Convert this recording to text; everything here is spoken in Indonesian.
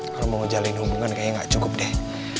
kalau mau ngejalin hubungan kayaknya gak cukup deh